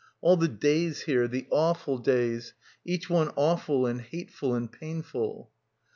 All the days here, the awful days, each one awful and hateful and painful.